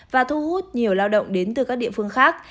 và thu hút nhiều lao động đến từ các địa phương khác